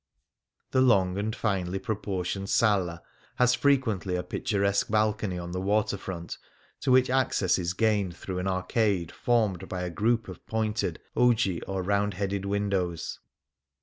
The long and finely pro portioned sala has frequently a picturesque balcony on the water front, to which access is gained through an arcade formed by a group of pointed, ogee, or round headed windows.